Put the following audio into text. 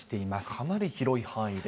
かなり広い範囲で。